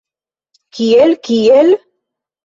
Kiel, kiel?